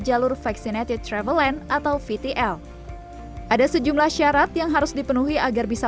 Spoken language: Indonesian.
jalur vaccinated travelend atau vtl ada sejumlah syarat yang harus dipenuhi agar bisa